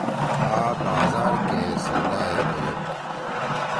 آ بازار کے سودا ئے بیَدُو۔